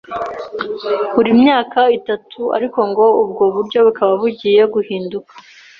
buri myaka itatu, ariko ngo ubwo buryo bukaba bugiye guhinduka.